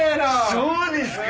そうですか？